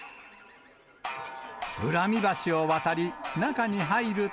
うらみ橋を渡り、中に入ると。